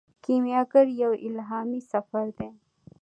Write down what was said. کیمیاګر یو الهامي سفر دی.